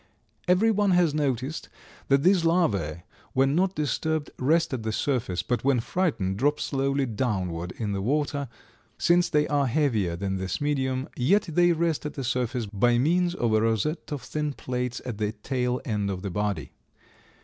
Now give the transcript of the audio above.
Every one has noticed that these larvæ when not disturbed rest at the surface, but when frightened drop slowly downward in the water, since they are heavier than this medium, yet they rest at the surface, by means of a rosette of thin plates at the tail end of the body.